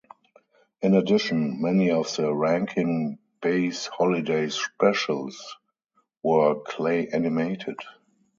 In addition, many of the Rankin-Bass holiday specials were clay-animated.